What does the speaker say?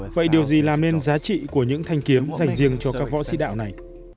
vậy điều gì làm nên giá trị của những thanh kiếm dành riêng cho các võ sĩ đạo này